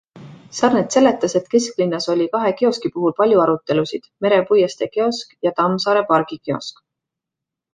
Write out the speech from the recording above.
Sarnet seletas, et kesklinnas oli kahe kioski puhul palju arutelusid- Mere puiestee kiosk ja Tammsaare pargi kiosk.